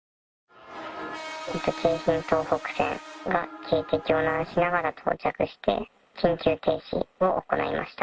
京浜東北線が警笛を鳴らしながら到着して、緊急停止を行いました。